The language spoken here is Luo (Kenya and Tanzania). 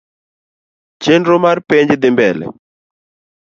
Chenro mar penj dhi mbele.